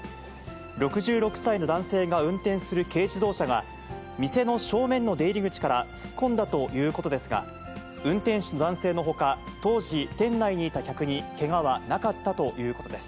６６歳の男性が運転する軽自動車が、店の正面の出入り口から突っ込んだということですが、運転手の男性のほか、当時、店内にいた客にけがはなかったということです。